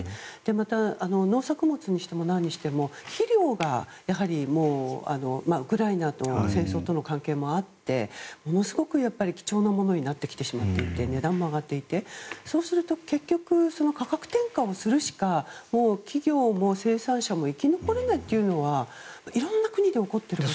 また、農作物にしても何にしても肥料がウクライナの戦争との関係もあってものすごく貴重なものになってきてしまっていて値段も上がっていて、そうすると結局、価格転嫁をするしか企業も生産者も生き残れないというのはいろんな国で起こっている。